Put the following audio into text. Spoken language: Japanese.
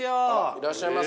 いらっしゃいます？